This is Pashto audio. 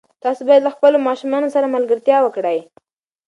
تاسو باید له خپلو ماشومانو سره ملګرتیا وکړئ.